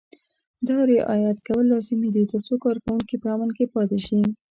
دا رعایت کول لازمي دي ترڅو کارکوونکي په امن کې پاتې شي.